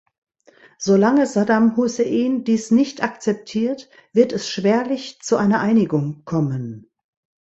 Solange Saddam Hussein dies nicht akzeptiert, wird es schwerlich zu einer Einigung kommen.